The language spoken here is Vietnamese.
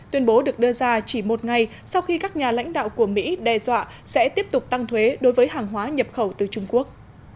tuyên bố được đưa ra chỉ một ngày sau khi các nhà lãnh đạo của mỹ đe dọa sẽ tiếp tục tăng thuế đối với hàng hóa nhập khẩu từ trung quốc